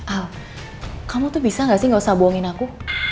al kamu tuh bisa gak sih gak usah bohongin aku